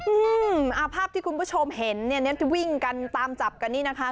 อืมอ่าภาพที่คุณผู้ชมเห็นเนี่ยที่วิ่งกันตามจับกันนี่นะคะ